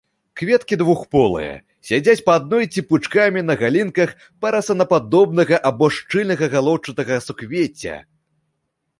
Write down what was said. Кветкі двухполыя, сядзяць па адной ці пучкамі на галінках парасонападобнага або шчыльнага галоўчатага суквецця.